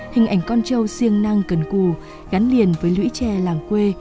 hình ảnh con trâu siêng năng cần cù gắn liền với lũy tre làng quê